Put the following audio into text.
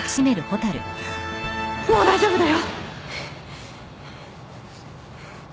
もう大丈夫だよ。